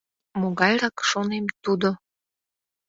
Могайрак, шонем, тудо?